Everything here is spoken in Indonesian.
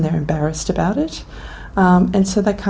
karena mereka sering terlalu marah mengenainya